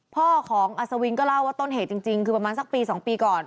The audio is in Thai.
พ่อของอัศวินก็เล่าว่าต้นเหตุจริงคือประมาณสักปี๒ปีก่อน